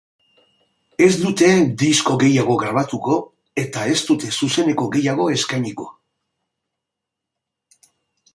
Ez dute disko gehiago grabatuko, eta ez dute zuzeneko gehiago eskainiko.